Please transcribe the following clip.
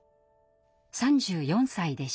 ３４歳でした。